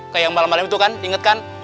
kayak yang malem malem itu kan inget kan